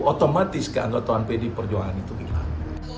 otomatis keanggotaan pdi perjuangan itu hilang